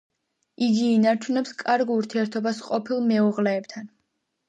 იგი ინარჩუნებს კარგ ურთიერთობას ყოფილ მეუღლეებთან.